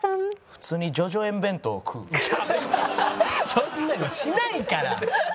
普通にそんなのしないから。